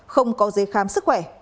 không có giấy khám sức khỏe